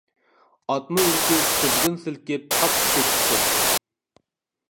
ئاتمۇ ئۈركۈپ، تىزگىن سىلكىپ، قاتتىق تېپىپتۇ.